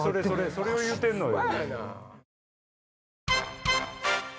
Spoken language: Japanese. それを言うてんのよ。